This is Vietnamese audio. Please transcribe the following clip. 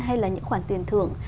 hay là những khoản tiền thưởng